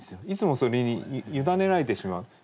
いつもそれに委ねられてしまう。